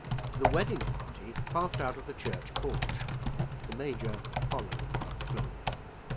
The wedding party passed out of the church porch. The Major followed slowly.